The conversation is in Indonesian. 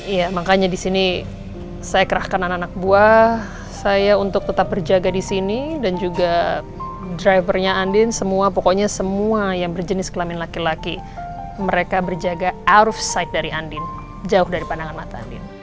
ya makanya disini saya kerahkan anak anak buah saya untuk tetap berjaga disini dan juga drivernya andin semua pokoknya semua yang berjenis kelamin laki laki mereka berjaga out of sight dari andin jauh dari pandangan mata andin